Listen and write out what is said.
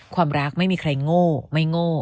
ความรักไม่มีใครโง่ไม่โง่